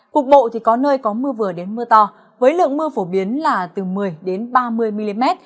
cục bộ thì có nơi có mưa vừa đến mưa to với lượng mưa phổ biến là từ một mươi ba mươi mm